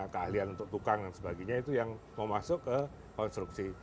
keahlian untuk tukang dan sebagainya itu yang mau masuk ke konstruksi